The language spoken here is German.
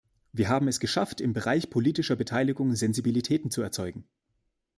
Wir haben es geschafft, im Bereich politische Beteiligung Sensibilitäten zu erzeugen.